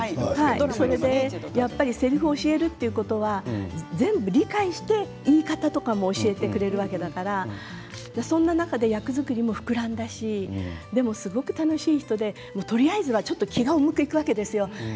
やっぱりせりふを教えるということは全部理解してやり方も教えてくれるわけだからそんな中で役作りも膨らんだしでもすごく楽しい人でとりあえず気が向いていくわけです。